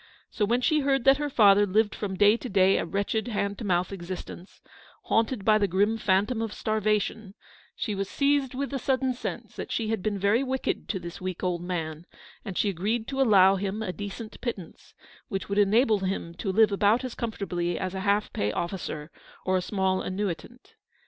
So when she heard that her father lived from day to day a wretched hand to mouth ex istence, haunted by the grim phantom of starva tion, she was seized with a sudden sense that she had been very wicked to this weak old man, and she agreed to allow him a decent pittance, which would enable him to live about as comfortably as a half pay officer or a small annuitant.